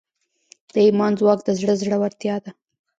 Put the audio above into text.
د ایمان ځواک د زړه زړورتیا ده.